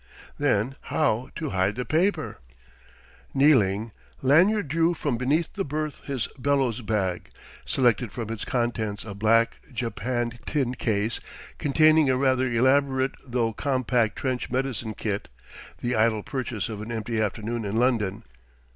Then how to hide the paper? Kneeling, Lanyard drew from beneath the berth his bellows bag, selected from its contents a black japanned tin case containing a rather elaborate though compact trench medicine kit, the idle purchase of an empty afternoon in London.